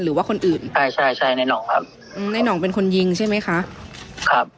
หรือว่าคนอื่นใช่ใช่ใช่ในห่องครับอืมในห่องเป็นคนยิงใช่ไหมคะครับ